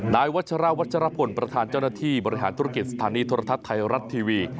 นายวัชราวัชรพลประธานเจ้าหน้าที่บริหารธุรกิจสถานีโทรทัศน์ไทยรัฐทีวี